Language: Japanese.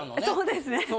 そうですね。